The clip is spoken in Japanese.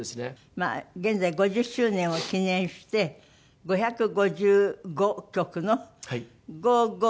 まあ現在５０周年を記念して５５５曲の「ＧＯ！ＧＯ！